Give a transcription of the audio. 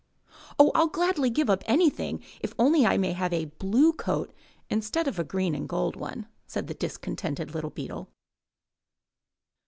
''Oh, rU gladly give up anything if only I may have 131 MY BOOK HOUSE a blue coat instead of a green and gold one," said the discontented little beetle.